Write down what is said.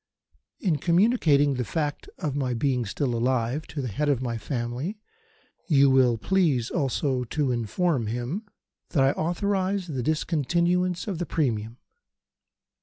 "In communicating the fact of my being still alive to the head of my family you will please also to inform him that I authorise the discontinuance of the premium.